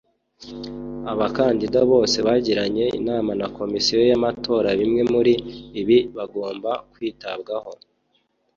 Abakandida bose bagiranye inama na komisiyo y’amatoraBimwe muri ibi bagomba kwitabwaho